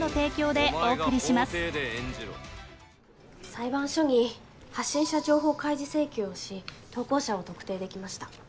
裁判所に発信者情報開示請求をし投稿者を特定できました。